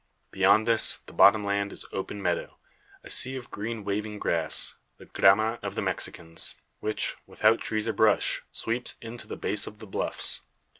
Beyond this, the bottom land is open meadow, a sea of green waving grass the gramma of the Mexicans which, without tree or bush, sweeps in to the base of the bluffs.